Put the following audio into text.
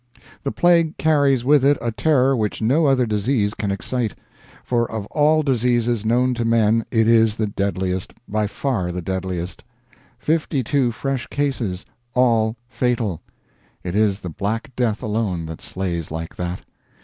The plague carries with it a terror which no other disease can excite; for of all diseases known to men it is the deadliest by far the deadliest. "Fifty two fresh cases all fatal." It is the Black Death alone that slays like that.